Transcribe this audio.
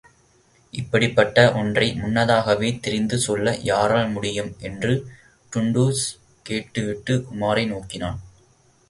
இப்படிப்பட்ட ஒன்றை முன்னதாகவே தெரிந்து சொல்ல யாரால் முடியும் என்று டுன்டுஷ் கேட்டுவிட்டு உமாரை நோக்கினான்.